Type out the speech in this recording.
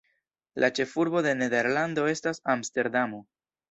La ĉefurbo de Nederlando estas Amsterdamo.